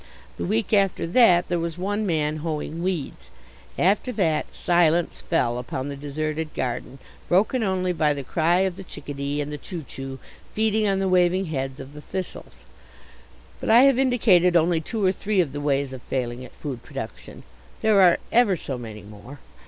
The week after that there was one man hoeing weeds. After that silence fell upon the deserted garden, broken only by the cry of the chick a dee and the choo choo feeding on the waving heads of the thistles. But I have indicated only two or three of the ways of failing at food production. There are ever so many more.